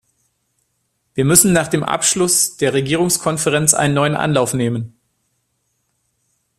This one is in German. Wir müssen nach dem Abschluss der Regierungskonferenz einen neuen Anlauf nehmen.